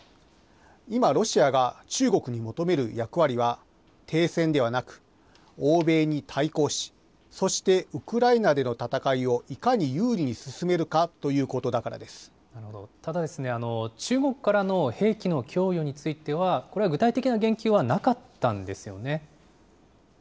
今、ロシアが中国に求める役割は、停戦ではなく、欧米に対抗し、そしてウクライナでの戦いをいかに有利に進めるかということだかただ、中国からの兵器の供与については、これは具体的な言及はなかったんですよね？